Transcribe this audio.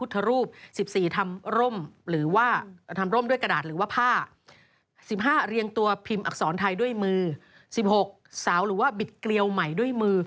หรือว่าบิดเกลียวใหม่ด้วยมือ